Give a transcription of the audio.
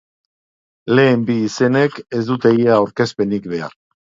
Lehen bi izenek ez dute ia aurkezpenik behar.